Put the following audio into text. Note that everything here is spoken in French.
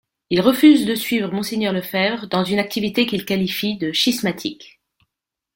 Il refuse de suivre Mgr Lefebvre dans une activité qu'il qualifie de schismatique.